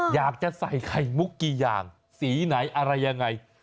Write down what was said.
อยากจะใส่ไข่มุกกี่อย่างสีไหนอะไรยังไง